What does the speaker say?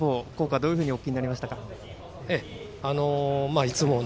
校歌どういうふうにお聞きになりましたか。